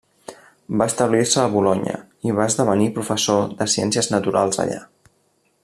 Va establir-se a Bolonya i va esdevenir professor de ciències naturals allà.